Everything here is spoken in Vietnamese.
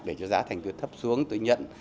để cho giá thành tôi thấp xuống tôi nhận